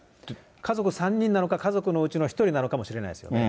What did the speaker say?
家族３人なのか、家族のうちの１人なのかもしれないですよね。